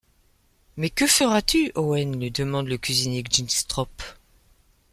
Mais que feras-tu, Owen ? lui demande le cuisinier Jynxtrop.